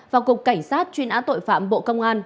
và cục cảnh sát truy nã tội phạm bộ công an